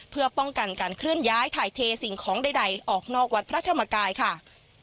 เพื่อป้องกันการเคลื่อนย้ายถ่ายเทสิ่งของใดออกนอกวัดพระธรรมกายค่ะ